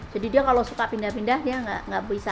jadi dia kalau suka pindah pindah ya nggak bisa